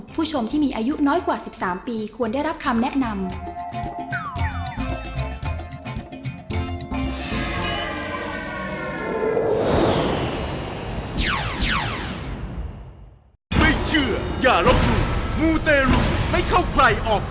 ผู้ชมที่มีอายุน้อยกว่า๑๓ปีควรได้รับคำแนะนำ